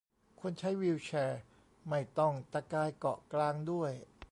คนใช้วีลแชร์ไม่ต้องตะกายเกาะกลางด้วย